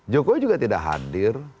jokowi juga tidak hadir